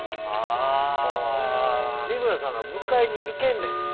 三村さんが迎えに行けんねん。